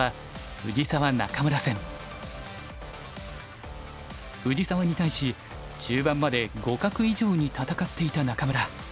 藤沢に対し中盤まで互角以上に戦っていた仲邑。